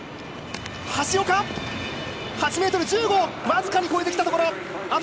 橋岡、８ｍ１５をわずかに越えてきたところ。